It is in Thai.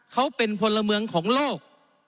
เขาเป็นพลเมืองของโลก